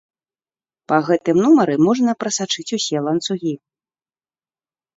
Па гэтым нумары можна прасачыць усе ланцугі.